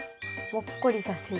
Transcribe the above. もっこりさせる？